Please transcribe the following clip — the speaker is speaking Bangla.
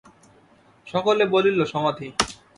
সকলে বলিল, সমাধি।